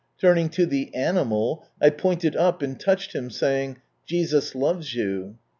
Turning to the " animal," 1 pointed up and touched him, saying, "Jesus loves you."